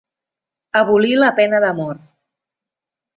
Abolir la pena de mort.